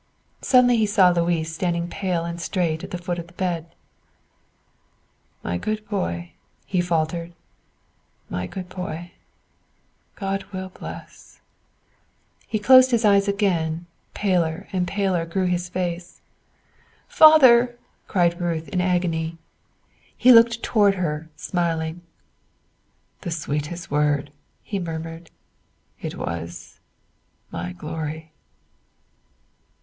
Suddenly he saw Louis standing pale and straight at the foot of the bed. "My good boy," he faltered, "my good boy, God will bless " His eyes closed again; paler and paler grew his face. "Father!" cried Ruth in agony. He looked toward her smiling. "The sweetest word," he murmured; "it was my glory."